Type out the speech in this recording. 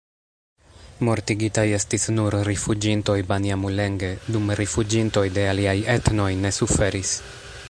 Mortigitaj estis nur rifuĝintoj-banjamulenge, dum rifuĝintoj de aliaj etnoj ne suferis.